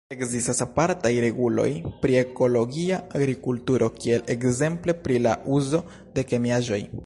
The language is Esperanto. Ekzistas apartaj reguloj pri ekologia agrikulturo, kiel ekzemple pri la uzo de kemiaĵoj.